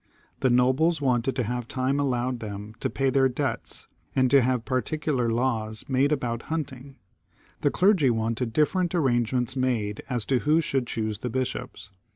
The nobles wanted to have time allowed them to pay their debts, and to have particular laws made about hunting; the clergy wanted different arrangements ma4e as to who should choose the bishops.